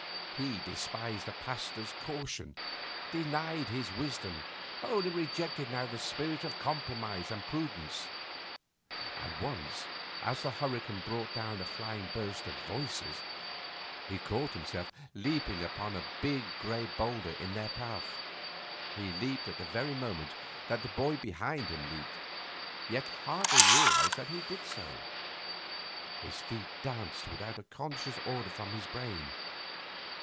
He despised the Pasteur's caution, denied his wisdom, wholly rejected now the spirit of compromise and prudence. And once, as the hurricane brought down a flying burst of voices, he caught himself leaping upon a big grey boulder in their path. He leaped at the very moment that the boy behind him leaped, yet hardly realised that he did so; his feet danced without a conscious order from his brain.